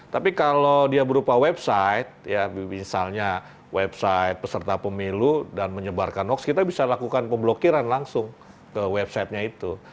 tapi kalau dia berupa website ya misalnya website peserta pemilu dan menyebarkan hoax kita bisa lakukan pemblokiran langsung ke websitenya itu